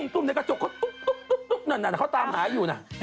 ตุ้มในกระจกเขาตุ๊กนั่นเขาตามหาอยู่นะ